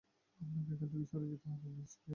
আপনাকে এখান থেকে সরে যেতে হবে, মিস রিয়েল।